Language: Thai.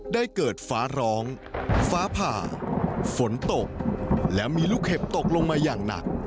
ได้เกิดฟ้าร้องฟ้าผ่าฝนตกและมีลูกเห็บตกลงมาอย่างหนัก